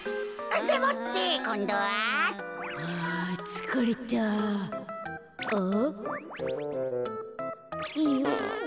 あつかれたお？